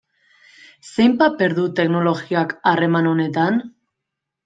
Zein paper du teknologiak harreman honetan?